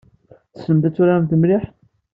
Tessnemt ad turaremt mliḥ?